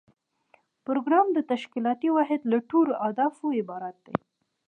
پروګرام د تشکیلاتي واحد له ټولو اهدافو عبارت دی.